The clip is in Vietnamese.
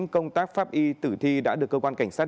công tác pháp y tử thi đã được cơ quan cảnh sát